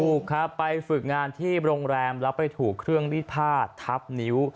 ถูกครับไปฝึกงานที่โรงแรมแล้วไปถูกเครื่องรีดผ้าทับนิ้ว